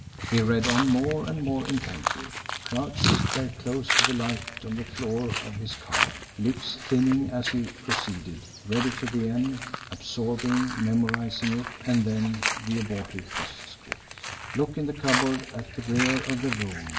He read on more and more intently, crouched there close to the light on the floor of his car, lips thinning as he proceeded read it to the end, absorbing, memorising it and then the abortive postscript: "Look in the cupboard at the rear of the room.